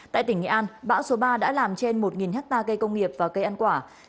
tại tỉnh nghệ an bão số ba đã làm trên một hectare cây công nghiệp và cây ăn quả